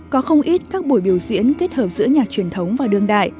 có không ít các buổi biểu diễn kết hợp giữa nhạc truyền thống và đương đại